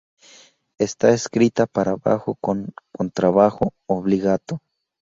Está escrita para bajo con contrabajo "obbligato".